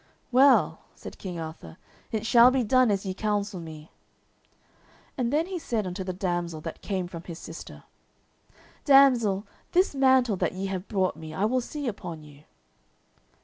"Well," said King Arthur, "it shall be done as ye counsel me." And then he said unto the damsel that came from his sister, "Damsel, this mantle that ye have brought me I will see upon you."